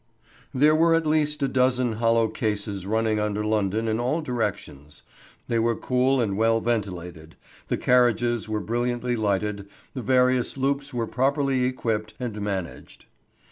There were at least a dozen hollow cases running under London in all directions. They were cool and well ventilated, the carriages were brilliantly lighted, the various loops were properly equipped and managed.